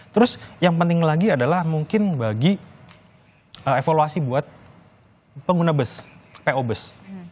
terus yang penting lagi adalah mungkin bagi evaluasi buat pengguna bus po bus